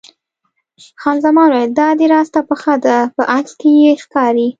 خان زمان وویل: دا دې راسته پښه ده، په عکس کې یې ښکاري.